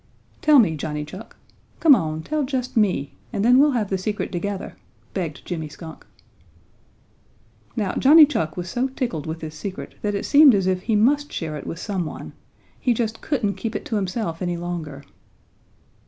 "Tell me, Johnny Chuck. Come on, tell just me, and then we'll have the secret together," begged Jimmy Skunk. Now Johnny Chuck was so tickled with his secret that it seemed as if he must share it with some one. He just couldn't keep it to himself any longer.